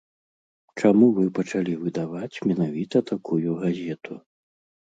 Чаму вы пачалі выдаваць менавіта такую газету?